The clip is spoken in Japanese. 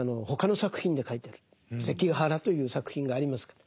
「関ヶ原」という作品がありますから。